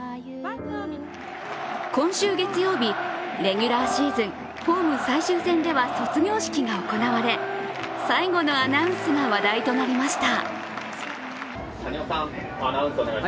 今週月曜日、レギュラーシーズンホーム最終戦では卒業式が行われ最後のアナウンスが話題となりました。